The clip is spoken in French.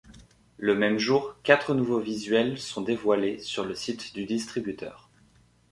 Le même jour, quatre nouveaux visuels sont dévoilés sur le site du distributeur.